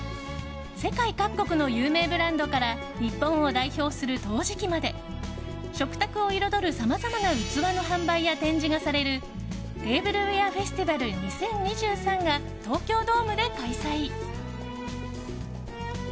世界各国の有名ブランドから日本を代表する陶磁器まで食卓を彩るさまざまな器の販売や展示がされる「テーブルウェア・フェスティバル２０２３」が東京ドームで開催。